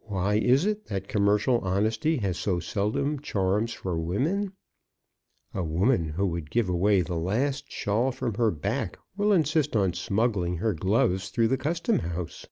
Why is it that commercial honesty has so seldom charms for women? A woman who would give away the last shawl from her back will insist on smuggling her gloves through the Custom house!